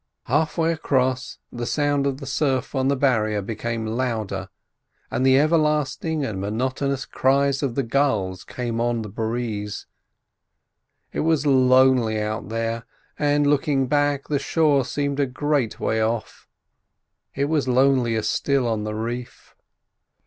Half way across the sound of the surf on the barrier became louder, and the everlasting and monotonous cry of the gulls came on the breeze. It was lonely out here, and, looking back, the shore seemed a great way off. It was lonelier still on the reef.